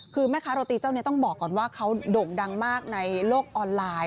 คือแม่ค้าโรตีเจ้านี้ต้องบอกก่อนว่าเขาโด่งดังมากในโลกออนไลน์